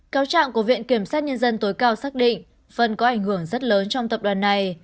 cao trạng của viện kiểm soát nhân dân tối cao xác định vân có ảnh hưởng rất lớn trong tập đoàn này